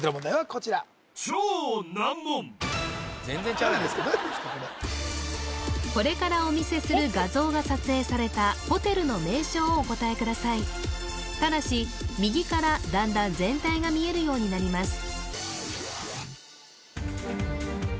これこれからお見せする画像が撮影されたホテルの名称をお答えくださいただし右からだんだん全体が見えるようになります